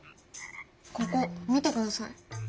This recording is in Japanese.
ここ見てください。